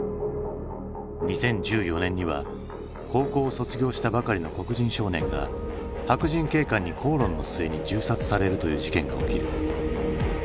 ２０１４年には高校を卒業したばかりの黒人少年が白人警官に口論の末に銃殺されるという事件が起きる。